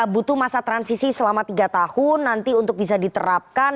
butuh masa transisi selama tiga tahun nanti untuk bisa diterapkan